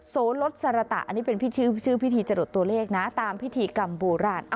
โสลดสระตะอันนี้เป็นชื่อพิธีจรดตัวเลขนะตามพิธีกรรมโบราณ